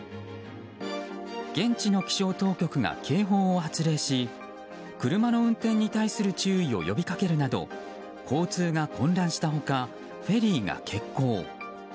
現地の気象当局が警報を発令し車の運転に対する注意を呼びかけるなど交通が混乱した他フェリーが欠航。